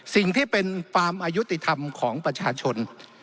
สิ่งที่เป็นความอายุติธรรมของประชาชน